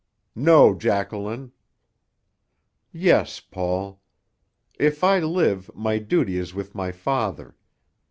"No, Jacqueline." "Yes, Paul. If I live, my duty is with my father.